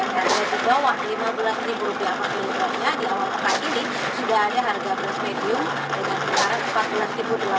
dan di bawah lima belas rupiah per kilogramnya di bawah pekan ini sudah ada harga beras medium dengan harga empat belas delapan ratus rupiah per kilogram